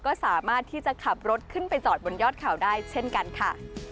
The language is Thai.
ก็สามารถที่จะขับรถขึ้นไปจอดบนยอดเขาได้เช่นกันค่ะ